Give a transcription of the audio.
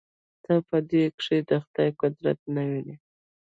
ته په دې کښې د خداى قدرت نه وينې.